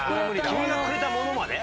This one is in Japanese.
『君がくれたもの』まで？